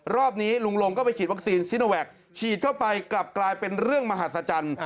รอบนี้ลุงลงก็ไปฉีดวัคซีนซิโนแวคฉีดเข้าไปกลับกลายเป็นเรื่องมหัศจรรย์